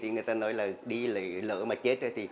người ta nói là đi lỡ mà chết